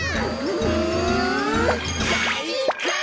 うんかいか！